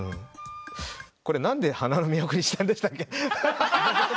これ何で花の都にしたんでしたっけ？